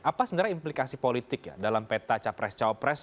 apa sebenarnya implikasi politik ya dalam peta capres cawapres